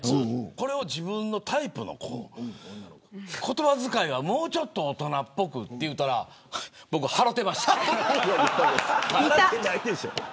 これを自分のタイプの子言葉遣いが、もうちょっと大人っぽくと言ったら僕、払ってました。